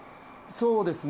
そうですね。